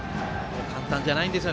簡単じゃないんですよ。